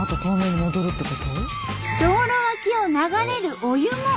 道路脇を流れるお湯も白。